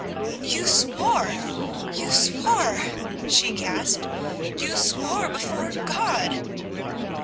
"You swore, you swore," she gasped, "you swore before God!"